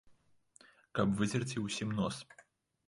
Каб выцерці ўсім нос.